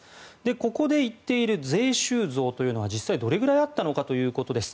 ここで言っている税収増というのは実際どれくらいあったのかということです。